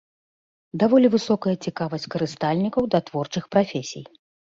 Даволі высокая цікавасць карыстальнікаў да творчых прафесій.